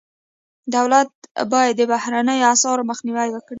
دولت باید د بهرنیو اسعارو مخنیوی وکړي.